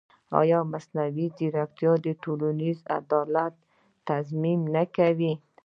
ایا مصنوعي ځیرکتیا د ټولنیز عدالت تضمین نه کوي؟